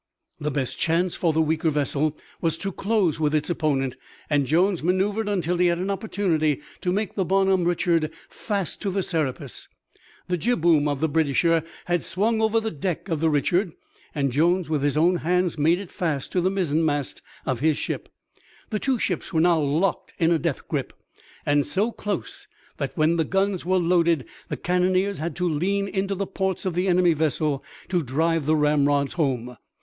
The best chance for the weaker vessel was to close with its opponent and Jones maneuvered until he had an opportunity to make the Bonhomme Richard fast to the Serapis. The jibboom of the Britisher had swung over the deck of the Richard and Jones with his own hands made it fast to the mizzenmast of his ship. The two ships were now locked in a death grip, and so close that when the guns were loaded the cannoneers had to lean into the ports of the enemy vessel to drive the ramrods home.